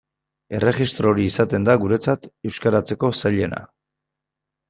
Erregistro hori izaten da guretzat euskaratzeko zailena.